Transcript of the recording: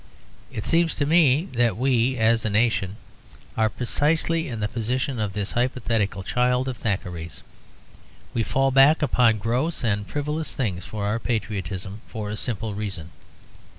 It seems to me that we, as a nation, are precisely in the position of this hypothetical child of Thackeray's. We fall back upon gross and frivolous things for our patriotism, for a simple reason.